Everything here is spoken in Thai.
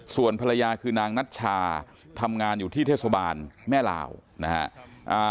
ส่วนภรรยาคือนางนัชชาทำงานอยู่ที่เทศบาลแม่ลาวนะฮะ